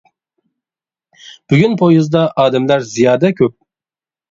بۈگۈن پويىزدا ئادەملەر زىيادە كۆپ.